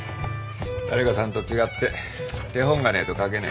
誰かさんと違って手本がねえと描けねえがな。